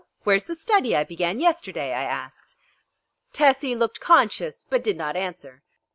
Where's the study I began yesterday?" I asked. Tessie looked conscious, but did not answer.